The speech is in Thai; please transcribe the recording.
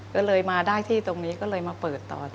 ก็เลยมาได้ที่ตรงนี้ก็เลยมาเปิดต่อ